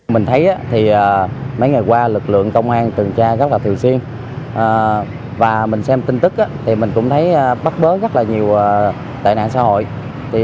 mình thấy thì mấy ngày qua lực lượng công an tuần tra rất là thường xuyên và mình xem tin tức thì mình cũng thấy bắt bớ rất là nhiều tệ nạn xã hội